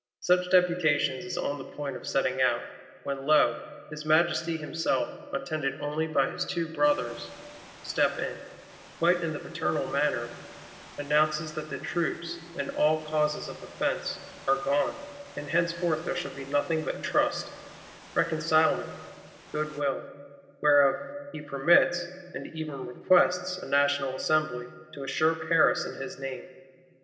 Such Deputation is on the point of setting out—when lo, his Majesty himself attended only by his two Brothers, step in; quite in the paternal manner; announces that the troops, and all causes of offence, are gone, and henceforth there shall be nothing but trust, reconcilement, good will; whereof he "permits and even requests," a National Assembly to assure Paris in his name!